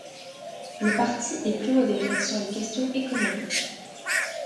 Le parti est plus modéré sur les questions économiques.